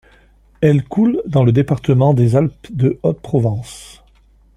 Elle coule dans le département des Alpes-de-Haute-Provence.